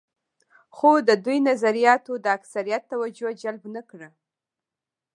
خو د دوی نظریاتو د اکثریت توجه جلب نه کړه.